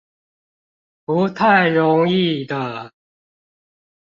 不太容易的